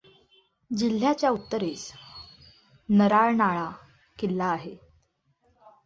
जिल्ह्याच्या उत्तरेस नर्नाळा किल्ला आहे.